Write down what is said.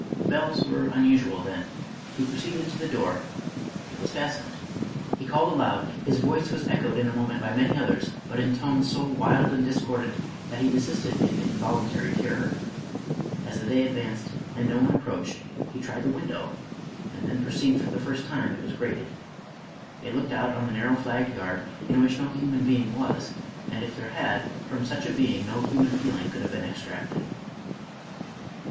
Bells were un usual then. He proceeded to the door, — it was fastened. He called aloud, — his voice was echoed in a moment by many others, but in tones so wild and discordant, that he desisted in involuntary terror. As the day advanced, and no one approached, he tried the window, and then per ceived for the first time it was grated. It looked out on the narrow flagged yard, in which no human being was; and if there had, from such a being no human feeling could have been extracted.